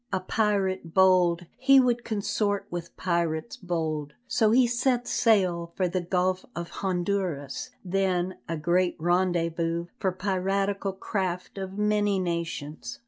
A pirate bold, he would consort with pirates bold. So he set sail for the Gulf of Honduras, then a great rendezvous for piratical craft of many nations.